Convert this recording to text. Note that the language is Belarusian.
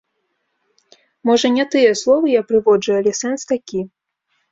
Можа не тыя словы я прыводжу, але сэнс такі.